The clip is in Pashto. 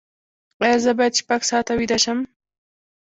ایا زه باید شپږ ساعته ویده شم؟